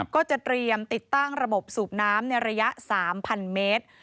ก็จะเตรียมติดตั้งระบบสูบน้ำในระยะ๓๐๐เมตร